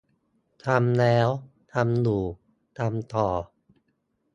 ทำแล้ว ทำอยู่ ทำต่อ